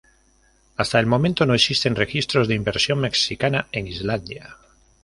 Hasta el momento no existen registros de inversión mexicana en Islandia.